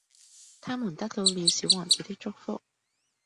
它們得到了小王子的祝福